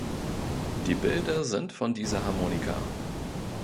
Die Bilder sind von dieser Harmonika.